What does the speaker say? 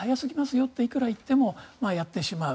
よっていくら言ってもやってしまう。